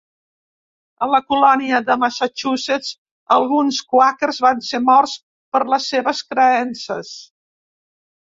A la colònia de Massachusetts alguns quàquers van ser morts per les seves creences.